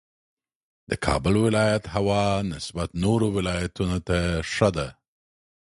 د کابل ولایت هوا نسبت نورو ولایتونو ته ښه ده